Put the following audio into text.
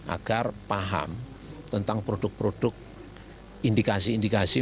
agar paham tentang produk produk indikasi indikasi